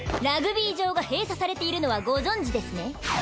ラグビー場が閉鎖されているのはご存じですね？